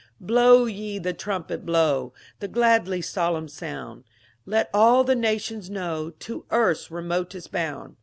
Blow ye the trumpet, blow The gladly solemn soond: Let all the natioiiB know, To earth's remotest boond.